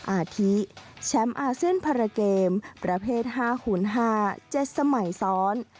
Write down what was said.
อาทิแชมป์อาเซียนพาราเกมประเภท๕คูณ๕๗สมัยซ้อน